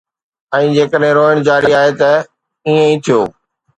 ۽ جيڪڏهن روئڻ جاري آهي، ته ائين ئي ٿيو.